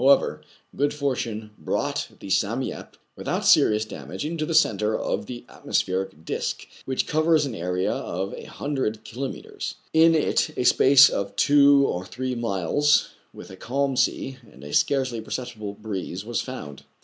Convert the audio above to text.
However, good fortune brought the "Sam KIN FO'S MARKET VALUE UNCERTAIN, 201 Yep," without serious damage, into the centre of the atmospheric disk, which covers an area of a hundred kilometres. In it a space of two or three miles, with a calm sea, and a scarcely perceptible breeze, was found.